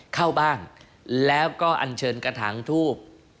เข้าบ้านแล้วก็อันเชิญกระถางทูบ